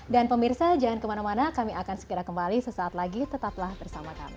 dan pemirsa jangan kemana mana kami akan segera kembali sesaat lagi tetaplah bersama kami